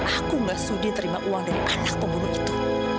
aku mbak sudi terima uang dari anak pembunuh itu